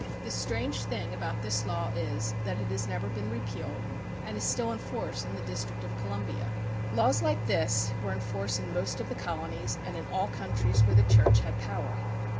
The strange thing about this law is, that it has never been repealed, and is still in force in the District of Columbia. Laws like this were in force in most of the colonies, and in all countries where the Church had power.